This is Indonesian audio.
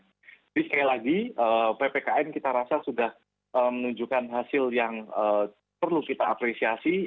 jadi sekali lagi ppkn kita rasa sudah menunjukkan hasil yang perlu kita apresiasi